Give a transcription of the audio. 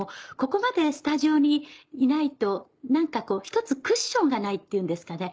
ここまでスタジオにいないと何か一つクッションがないっていうんですかね。